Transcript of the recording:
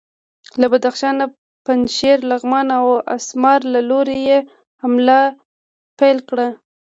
له بدخشان، پنجشیر، لغمان او اسمار له لوري یې حمله پیل کړه.